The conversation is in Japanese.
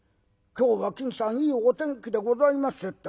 『今日は金さんいいお天気でございますね』